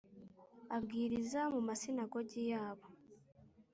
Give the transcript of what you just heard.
Abwiriza mu masinagogi yabo